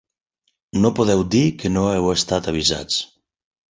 No podeu dir que no heu estat avisats.